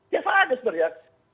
biasa aja sebenarnya